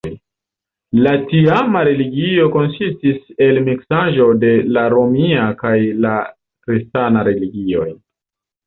La tiama religio konsistis el miksaĵo de la romia kaj de la kristana religioj.